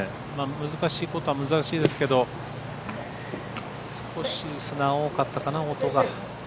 難しいことは難しいですけど少し砂、多かったかな音が。